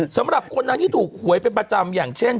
สำหรับคนนั้นที่ถูกหวยเป็นประจำอย่างเช่น